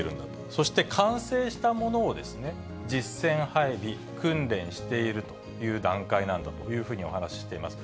そして完成したものを実戦配備、訓練しているという段階なんだというふうにお話しています。